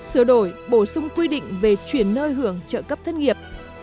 sửa đổi bổ sung quy định về chuyển nơi hưởng trợ cấp thất nghiệp